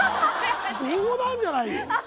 冗談じゃないよ！